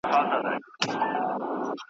پیغام ته لومړۍ درجه او کلماتو `